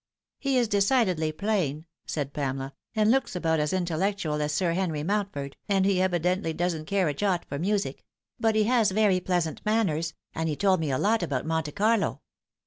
"He is decidedly plain," said Pamela, "and looks about as intellectual as Sir Henry Mountford, and he evidently doesn't care a jot for music ; but he has very pleasant manners, and he told me a lot about Monte Carlo.